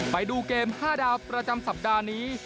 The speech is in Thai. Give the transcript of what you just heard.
ไปดูเกม๕ดาวประจำสัปดาห์นี้